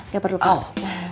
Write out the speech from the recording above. gak perlu pak